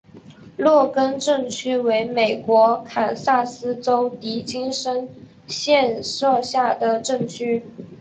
洛根镇区为美国堪萨斯州迪金森县辖下的镇区。